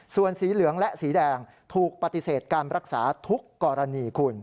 ส่วนสีเหลืองและสีแดงถูกปฏิเสธการรักษาทุกกรณีคุณ